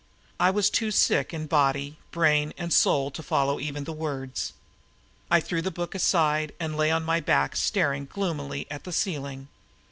I was too sick in body, brain, and soul to follow even the words. I threw the book aside and lay on my back staring gloomily at the ceiling.